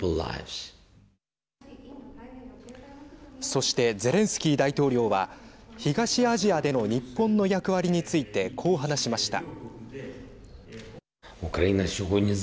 そして、ゼレンスキー大統領は東アジアでの日本の役割についてこう話しました。